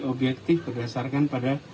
objektif berdasarkan pada